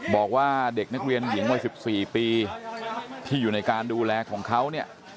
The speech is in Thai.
บอกว่าเด็กนักเรียนหญิงวัย๑๔ปีที่อยู่ในการดูแลของเขาเนี่ย